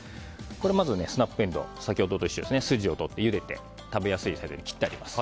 まず、スナップエンドウは先ほどと一緒で筋を取ってゆでて、食べやすいサイズに切ってあります。